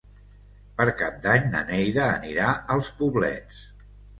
Per Cap d'Any na Neida anirà als Poblets.